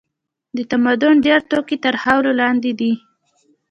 د تمدن ډېر توکي تر خاورو لاندې دي.